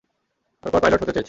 তারপর পাইলট হতে চেয়েছি।